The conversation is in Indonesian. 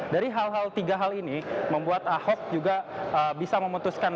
dari hal hal tiga hal ini membuat ahok juga bisa memutuskan